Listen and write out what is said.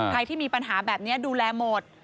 ที่มีปัญหาแบบนี้ดูแลหมด